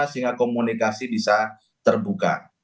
sehingga komunikasi bisa terbuka